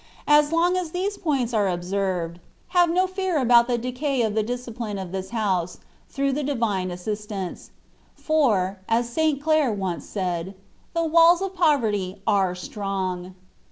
As long]as these points are observed, have no fear about the decay of the dis cipline of this house, through the divine assistance; for, as St. Clare once said, " The walls of poverty are strong.